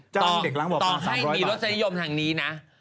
ต่อให้มีรสนิยมทางนี้นะ